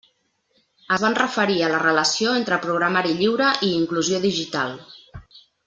Es van referir a la relació entre programari lliure i inclusió digital.